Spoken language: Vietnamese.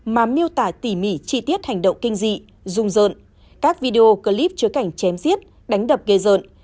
mà miêu tả tỉ mỉ chi tiết hành động kinh dị dung rợn các video clip chứa cảnh chém giết đánh đập gây rợn